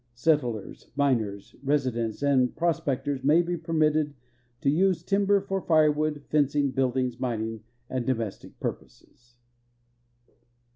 Settlers, miners, residents, and prospectors may be permitted to use timber for firew.ood, fencing, buildings, mining, and domestic puri)oses."